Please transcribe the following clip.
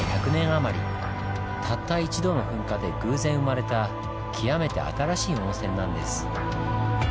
たった一度の噴火で偶然生まれた極めて新しい温泉なんです。